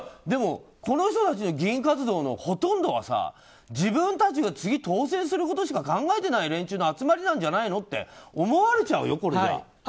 でも、この人たちの議員活動のほとんどは自分たちが次、当選することしか考えてない連中の集まりなんじゃないのって思われちゃうよ、これじゃ。